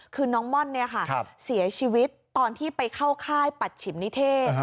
คือน้องม่อนเสียชีวิตตอนที่ไปเข้าค่ายปัชฉิมนิเทศ